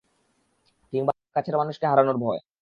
কিংবা কাছের মানুষকে হারানোর ভয়।